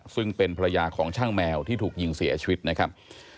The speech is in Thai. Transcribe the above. ซึ่งเป็นภรรยาของช่างแมวที่ถูกยิงเสียชีวิตนะครับ